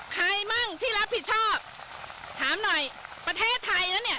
มั่งที่รับผิดชอบถามหน่อยประเทศไทยนะเนี่ย